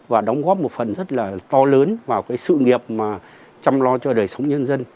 và đóng góp một phần rất là to lớn vào sự nghiệp chăm lo cho đời sống nhân dân